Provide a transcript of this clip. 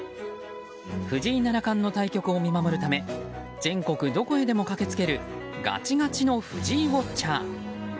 藤井七冠の対局を見守るため全国どこへでも駆けつけるガチガチの藤井ウォッチャー。